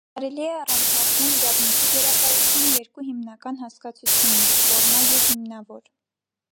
Կարելի է առանձնացնել իրավունքի գերակայության երկու հիմնական հասկացություններ՝ ֆորմալ և հիմնավոր։